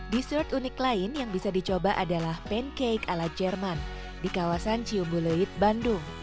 dessert unik lain yang bisa dicoba adalah pancake ala jerman di kawasan ciumbu leid bandung